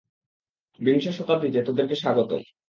বিংশ শতাব্দীতে তোদেরকে স্বাগতম!